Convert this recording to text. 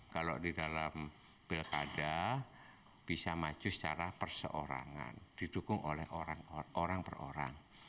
kalau di dalam pilkada bisa maju secara perseorangan didukung oleh orang per orang